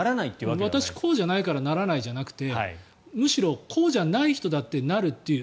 私、こうだからならないということじゃなくてむしろ、こうじゃない人だってなるという。